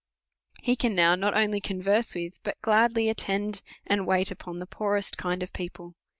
He can now not only converse with, but gladly attend and wait upon, the poorest kind of people.